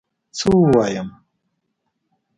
څه ووایم؟!